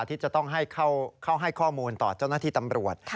ที่จะต้องให้เข้าให้ข้อมูลต่อเจ้าหน้าที่ตำรวจ